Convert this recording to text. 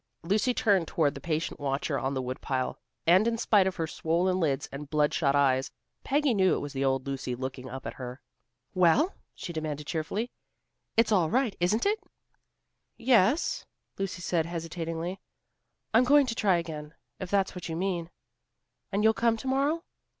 Lucy turned toward the patient watcher on the woodpile, and in spite of her swollen lids and blood shot eyes, Peggy knew it was the old Lucy looking up at her. "Well?" she demanded cheerfully. "It's all right, isn't it?" "Yes," Lucy agreed hesitatingly. "I'm going to try again, if that's what you mean." "And you'll come to morrow?"